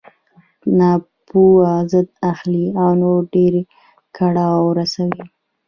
ناپوه ضد اخلي او نور ډېر کړاو رسوي.